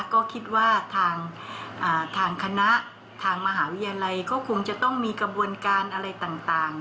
ก็คิดว่าทางคณะทางมหาวิทยาลัยก็คงจะต้องมีกระบวนการอะไรต่าง